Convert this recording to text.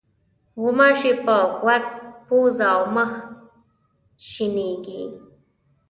غوماشې په غوږ، پوزه او مخ شېنېږي.